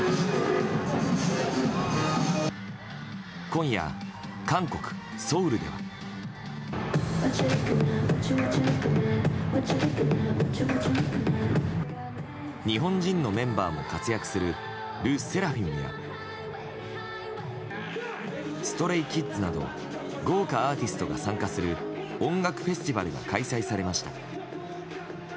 今夜、韓国ソウルでは。日本人のメンバーも活躍するＬＥＳＳＥＲＡＦＩＭやＳｔｒａｙＫｉｄｓなど豪華アーティストが参加する音楽フェスティバルが開催されました。